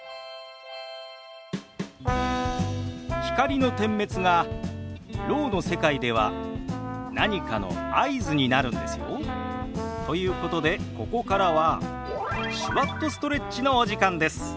光の点滅がろうの世界では何かの合図になるんですよ。ということでここからは「手話っとストレッチ」のお時間です。